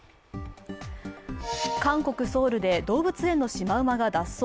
韓国・ソウルで動物園のシマウマが脱走。